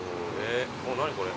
何これ？